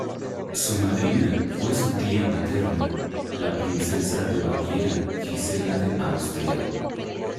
Su madrina fue su tía materna, la princesa de Baviera Gisela de Austria.